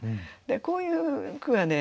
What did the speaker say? こういう句はね